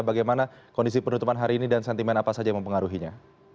bagaimana kondisi penutupan hari ini dan sentimen apa saja yang mempengaruhinya